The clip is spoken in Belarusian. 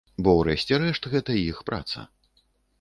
Бо, урэшце рэшт, гэта іх праца.